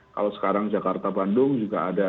kalau sekarang jakarta bandung juga ada